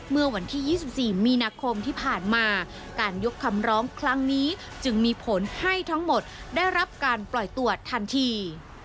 เมื่อวันที่๒๔มีนาคมที่ผ่านมาการยกคำร้องครั้งนี้จึงมีผลให้ทั้งหมดได้รับการปล่อยตัวทันที